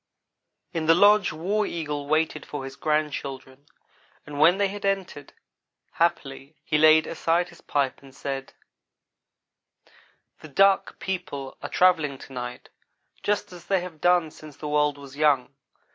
In the lodge War Eagle waited for his grandchildren, and when they had entered, happily, he laid aside his pipe and said: "The Duck people are travelling to night just as they have done since the world was young.